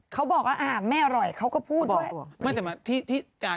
เขาบอกว่าอ่ะแม่อร่อยเขาก็พูดว่า